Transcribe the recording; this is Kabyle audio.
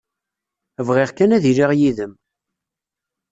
Bɣiɣ kan ad iliɣ yid-m.